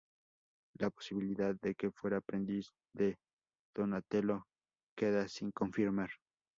La posibilidad de que fuera aprendiz de Donatello queda sin confirmar.